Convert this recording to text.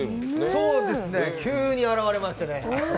そうですね、急に現れましてね。